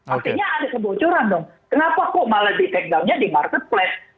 artinya ada kebocoran dong kenapa kok malah di take downnya di marketplace